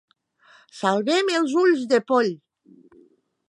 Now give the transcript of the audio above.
Salvem els ulls de poll